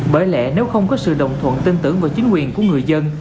bởi lẽ nếu không có sự đồng thuận tin tưởng vào chính quyền của người dân